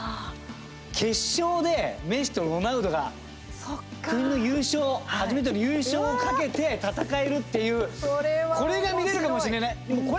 決勝でメッシとロナウドが国の優勝、初めての優勝を懸けて戦えるっていうこれが見れるかもしれない。